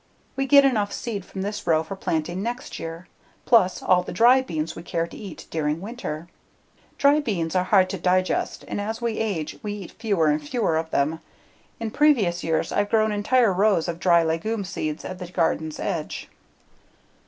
We get enough seed from this row for planting next year, plus all the dry beans we care to eat during winter. Dry beans are hard to digest and as we age we eat fewer and fewer of them. In previous years I've grown entire rows of dry legume seeds at the garden's edge.